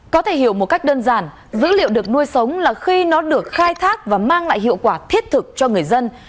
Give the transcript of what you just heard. có thể hiểu một cách đơn giản dữ liệu được nuôi sống là khi nó được khai thác và mang lại hiệu quả thiết thực cho người dân